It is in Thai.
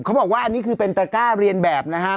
บอกว่าอันนี้คือเป็นตระก้าเรียนแบบนะครับ